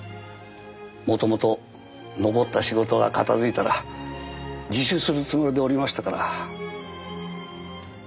元々残った仕事が片付いたら自首するつもりでおりましたから。